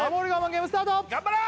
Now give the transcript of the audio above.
ゲームスタート頑張れ！